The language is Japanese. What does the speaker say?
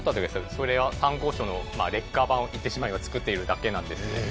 それは参考書の劣化版を言ってしまえば作っているだけなんですね。